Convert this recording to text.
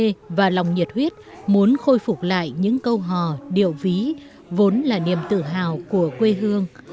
với niềm đam mê và lòng nhiệt huyết muốn khôi phục lại những câu hò điệu ví vốn là niềm tự hào của quê hương